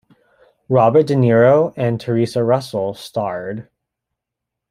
Robert De Niro and Theresa Russell starred.